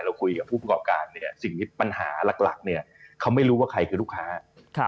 แล้วคุยกับผู้ประกอบการสิ่งปัญหาหลักเขาไม่รู้ว่าใครคือลูกค้า